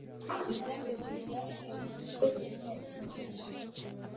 Izindi zijya he igice kimwe kimwe